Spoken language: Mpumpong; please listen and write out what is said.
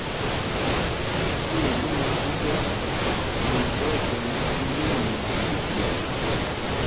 Tí mɛlú mɛ phus ɛ, ɓot ɓɛ̂ ɓɛ nɛ thund ínîn tí phwoŋ.